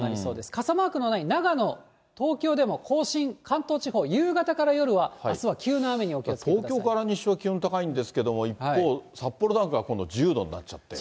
傘マークのない長野、東京でも甲信、関東地方、夕方から夜はあすは急東京から西は気温高いんですけども、一方、札幌なんかは、今度１０度になっちゃって。